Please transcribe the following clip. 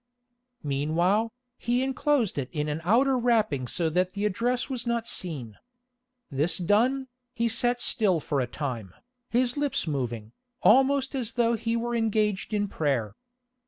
Meanwhile, he enclosed it in an outer wrapping so that the address was not seen. This done, he sat still for a time, his lips moving, almost as though he were engaged in prayer.